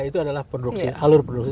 itu adalah alur penduduk